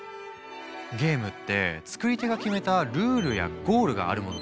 ゲームって作り手が決めたルールやゴールがあるものでしょ？